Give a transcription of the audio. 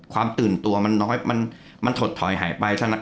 ความตื่นตัวมันน้อยมันถดถอยหายไป